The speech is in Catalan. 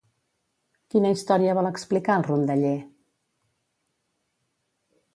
Quina història vol explicar el rondaller?